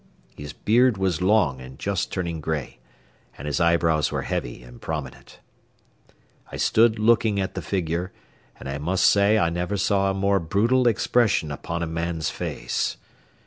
His beard was long and just turning gray, and his eyebrows were heavy and prominent. I stood staring at the figure, and I must say I never saw a more brutal expression upon a man's face.